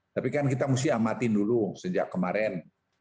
tapi kan kita mesti amatin dulu sejak kemarin